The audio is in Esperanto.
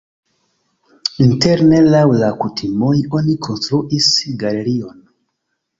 Interne laŭ la kutimoj oni konstruis galerion.